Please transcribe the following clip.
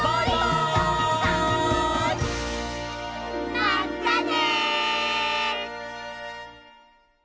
まったね！